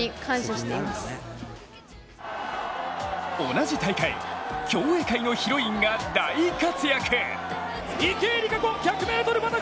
同じ大会、競泳界のヒロインが大活躍。